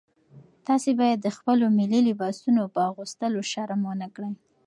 تاسي باید د خپلو ملي لباسونو په اغوستلو شرم ونه کړئ.